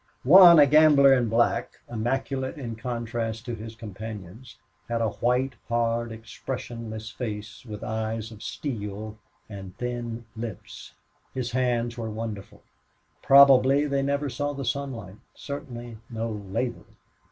One, a gambler in black, immaculate in contrast to his companions, had a white, hard, expressionless face, with eyes of steel and thin lips. His hands were wonderful. Probably they never saw the sunlight, certainly no labor.